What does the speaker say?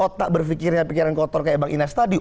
kota berpikirnya pikiran kotor kayak bang inas tadi